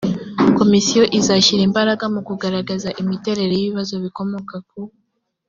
komisiyo izashyira imbaraga mu kugaragaza imiterere y ibibazo bikomoka ku